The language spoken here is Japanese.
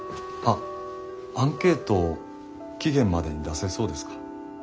あっアンケート期限までに出せそうですか？